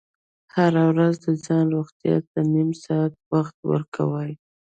هره ورځ د ځان روغتیا ته نیم ساعت وخت ورکوئ.